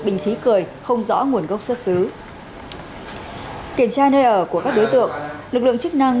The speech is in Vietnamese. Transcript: bình khí cười không rõ nguồn gốc xuất xứ kiểm tra nơi ở của các đối tượng lực lượng chức năng